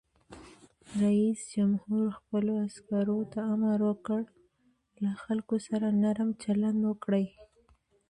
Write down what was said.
رئیس جمهور خپلو عسکرو ته امر وکړ؛ له خلکو سره نرم چلند وکړئ!